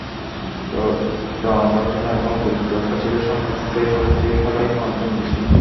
জনপ্রশাসনে এখন অতিরিক্ত সচিবের সংখ্যা স্থায়ী পদের চেয়ে সাড়ে পাঁচ গুণ বেশি।